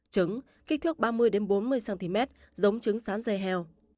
trứng kích thước ba mươi bốn mươi cm giống trứng sán dây heo